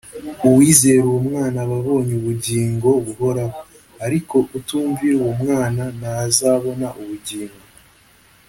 “uwizera uwo mwana aba abonye ubugingo buhoraho, ariko utumvira uwo mwana ntazabona ubugingo